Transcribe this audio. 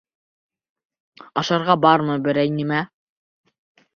Ашарға бармы берәй нәмә?